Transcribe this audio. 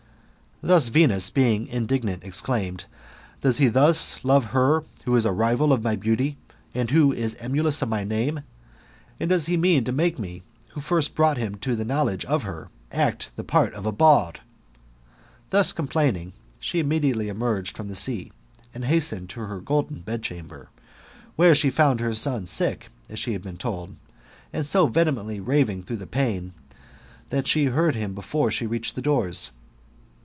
Then Venus, being indignant, ex claimed, "Does he then love her who is the rival of my beauty, and who is emulous of my name ? And does he mean to make me, wiio first brought him to the knowledge of her, act the part of a bawd ?" Thus complaining, she immediately emerged from the sea, and hastened to her golden bedchamber, where she found her son sick, as she had been told, and so vehemently raving through the pain, that she heard him. before she reached the doors.